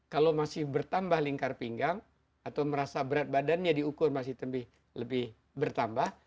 kalau masih bertambah lingkar pinggang atau merasa berat badannya diukur masih lebih bertambah